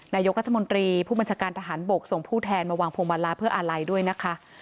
นายกรัฐมนตรีผู้บัญชาการทหารบกส่งผู้แทนมาวางพวงมาลาเพื่ออาลัยด้วยนะคะ